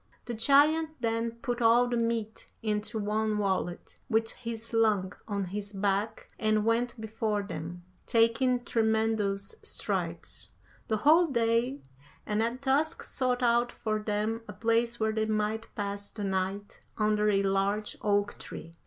The giant then put all the meat into one wallet, which he slung on his back and went before them, taking tremendous strides, the whole day, and at dusk sought out for them a place where they might pass the night under a large oak tree.